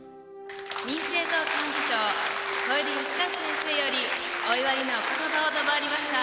民政党幹事長小出義和先生よりお祝いのお言葉を賜りました。